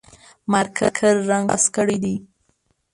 مارکر رنګ خلاص کړي دي